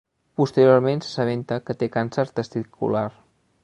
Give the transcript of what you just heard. Posteriorment s'assabenta que té càncer testicular.